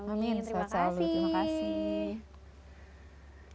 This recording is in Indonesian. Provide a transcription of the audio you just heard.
amin terima kasih